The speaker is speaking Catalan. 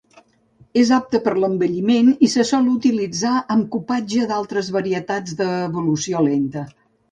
És apte per l'envelliment i se sol utilitzar amb cupatge d'altres varietats d'evolució lenta.